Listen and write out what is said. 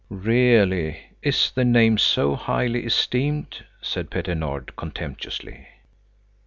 "Really, is the name so highly esteemed!" said Petter Nord, contemptuously.